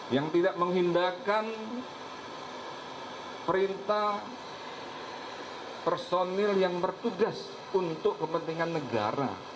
yang tidak menghindarkan perintah personil yang bertugas untuk kepentingan negara